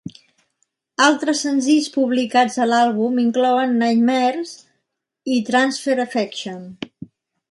Altres senzills publicats a l'àlbum inclouen "Nightmares" i "Transfer Affection".